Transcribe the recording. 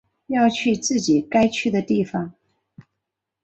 要去自己该去的地方